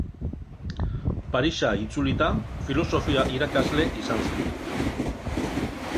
Parisa itzulita, filosofia-irakasle izan zen.